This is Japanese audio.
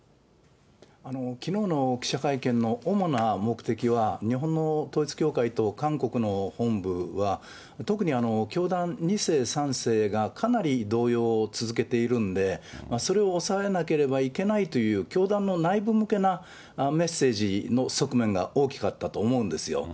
きのうの記者会見の主な目的は、日本の統一教会と韓国の本部は、特に教団２世、３世が、かなり動揺を続けているんで、それを抑えなければいけないという教団の内部向けなメッセージの側面が大きかったと思うんですよ。